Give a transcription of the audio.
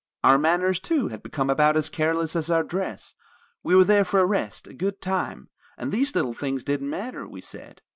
Our manners, too, had become about as careless as our dress; we were there for a rest, a good time, and these little things didn't matter, we said.